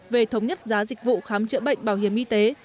về thống nhất giá dịch vụ khám chữa bệnh bảo hiểm y tế